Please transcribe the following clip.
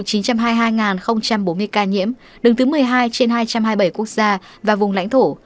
chín trăm hai mươi hai bốn mươi ca nhiễm đứng thứ một mươi hai trên hai trăm hai mươi bảy quốc gia và vùng lãnh thổ